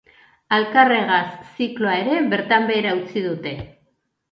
Alkarregaz zikloa ere bertan behera utzi dute.